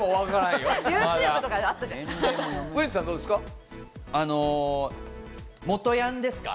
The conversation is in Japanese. ウエンツさん、どうですか？